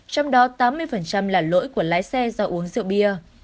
trong đó tám mươi là lỗi của lái xe do uống rượu bia